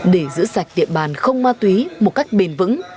để giữ sạch địa bàn không ma túy một cách bền vững